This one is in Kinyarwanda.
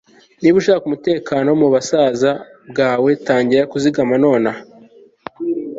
Niba ushaka umutekano mubusaza bwawe tangira kuzigama nonaha